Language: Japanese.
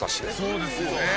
そうですよね。